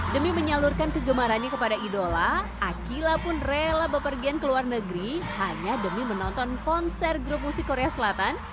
demi menyalurkan kegemarannya kepada idola akila pun rela berpergian ke luar negeri hanya demi menonton konser grup musik korea selatan